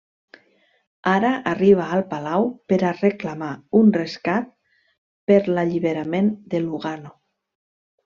Ara arriba al palau per a reclamar un rescat per l'alliberament de Lugano.